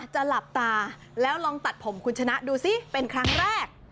หลับตาแล้วลองตัดผมคุณชนะดูสิเป็นครั้งแรก